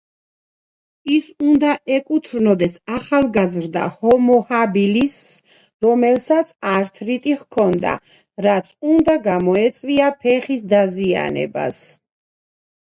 ის უნდა ეკუთვნოდეს ახალგაზრდა ჰომო ჰაბილისს, რომელსაც ართრიტი ჰქონდა, რაც უნდა გამოეწვია ფეხის დაზიანებას.